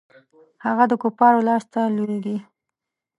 هغه د کفارو لاسته لویږي.